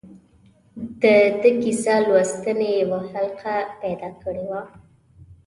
ده د کیسه لوستنې یوه حلقه پیدا کړې وه.